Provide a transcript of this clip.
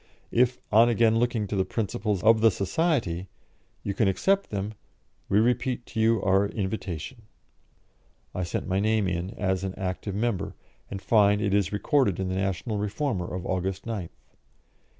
If, on again looking to the Principles of the Society, you can accept them, we repeat to you our invitation." I sent my name in as an active member, and find it is recorded in the National Reformer of August 9th.